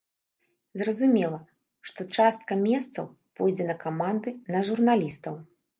Зразумела, што частка месцаў пойдзе на каманды, на журналістаў.